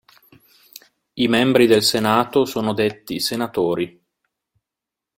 I membri del senato sono detti "senatori".